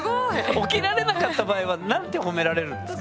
起きられなかった場合は何て褒められるんですか？